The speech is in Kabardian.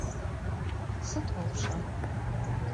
Sıt vue pş'er?